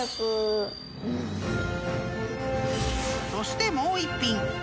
［そしてもう１品］